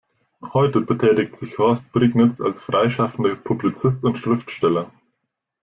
Heute betätigt sich Horst Prignitz als freischaffender Publizist und Schriftsteller.